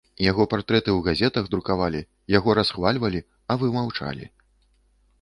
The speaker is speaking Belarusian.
Яго партрэты ў газетах друкавалі, яго расхвальвалі, а вы маўчалі.